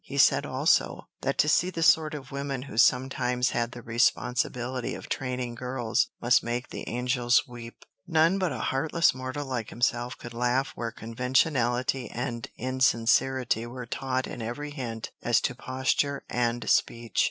He said also, that to see the sort of women who sometimes had the responsibility of training girls must make the angels weep; none but a heartless mortal like himself could laugh where conventionality and insincerity were taught in every hint as to posture and speech.